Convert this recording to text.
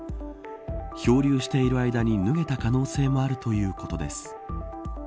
漂流している間に脱げた可能性もあるということです。